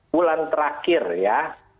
bulan terakhir ya